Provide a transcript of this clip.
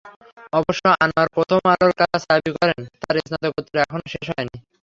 অবশ্য আনোয়ার প্রথম আলোর কাছে দাবি করেন, তাঁর স্নাতকোত্তর এখনো শেষ হয়নি।